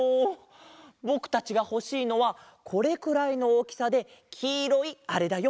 ぼくたちがほしいのはこれくらいのおおきさできいろいあれだよ。